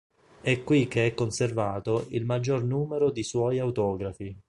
È qui che è conservato il maggior numero di suoi autografi.